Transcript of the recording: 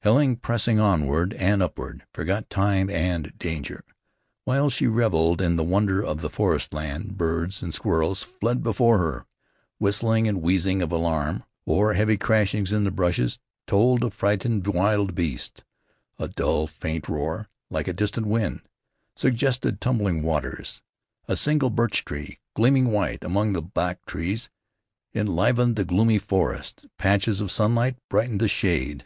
Helen, pressing onward and upward, forgot time and danger, while she reveled in the wonder of the forestland. Birds and squirrels fled before her; whistling and wheezing of alarm, or heavy crashings in the bushes, told of frightened wild beasts. A dull, faint roar, like a distant wind, suggested tumbling waters. A single birch tree, gleaming white among the black trees, enlivened the gloomy forest. Patches of sunlight brightened the shade.